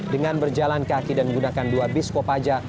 dengan berjalan kaki dan menggunakan dua biskop aja